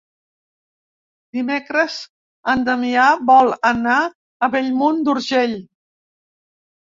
Dimecres en Damià vol anar a Bellmunt d'Urgell.